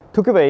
thưa quý vị